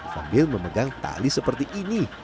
sambil memegang tali seperti ini